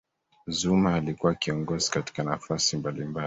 zuma alikuwa kiongozi katika nafasi mbalimbali